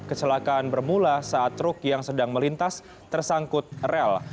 kecelakaan bermula saat truk yang sedang melintas tersangkut rel